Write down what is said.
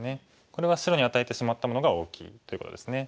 これは白に与えてしまったものが大きいということですね。